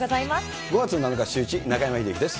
５月７日シューイチ、中山秀征です。